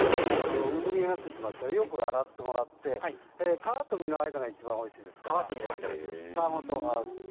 産毛がついているのでよく洗ってもらって皮と実の間がおいしいです。